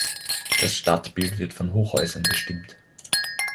Das Stadtbild wird von Hochhäusern bestimmt.